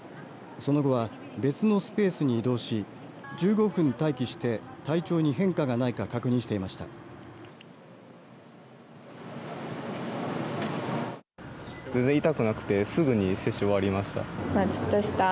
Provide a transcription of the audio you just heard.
その後は別のスペースに移動し１５分待機して体調に変化がないか確認していました。